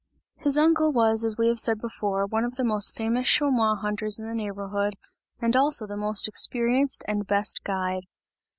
His uncle, was as we have said before, one of the most famous chamois hunters in the neighbourhood and also the most experienced and best guide.